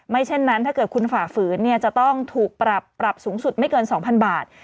ไม่เช่นนั้นถ้าเกิดคุณฝากฝืนเนี่ยจะต้องถูกปรับปรับสูงสุดไม่เกิน๒๐๐๐บาท